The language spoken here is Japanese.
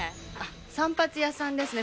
散髪屋さんですね。